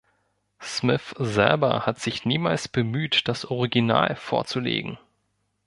Smith selber hat sich niemals bemüht, das Original vorzulegen.